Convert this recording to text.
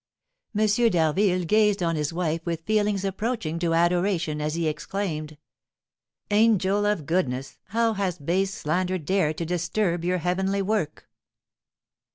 M. d'Harville gazed on his wife with feelings approaching to adoration, as he exclaimed, "Angel of goodness, how has base slander dared to disturb your heavenly work!"